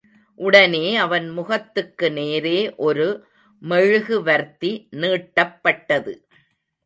உடனே அவன் முகத்துக்கு நேரே ஒரு மெழுகுவர்த்தி நீட்டப்பட்டது.